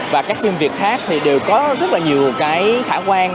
và các phim việt khác thì đều có rất là nhiều cái khả quan